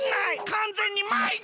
かんぜんにまいご！